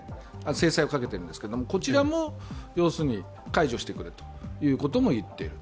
制裁をかけているんですけど、こちらも解除してくるということも言っている。